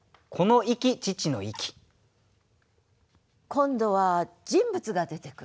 今度は人物が出てくる。